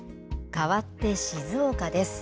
かわって静岡です。